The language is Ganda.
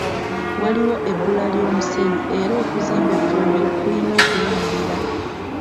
Waliwo ebbula ly'omusenyu era okuzimba effumbiro kulina okuyimirira.